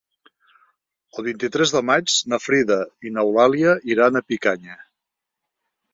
El vint-i-tres de maig na Frida i n'Eulàlia iran a Picanya.